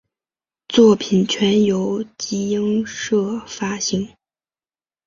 作品全由集英社发行。